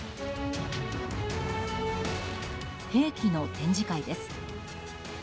兵器の展示会です。